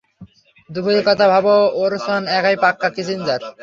দুপুরের কথা ভাবো, ওরসন একাই পাক্কা কিসিঞ্জার।